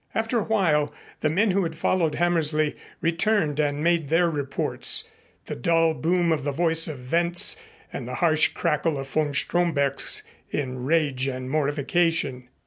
After a while the men who had followed Hammersley returned and made their reports the dull boom of the voice of Wentz and the harsh crackle of von Stromberg's in rage and mortification.